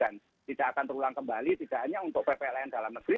dan tidak akan terulang kembali tidak hanya untuk ppln dalam negeri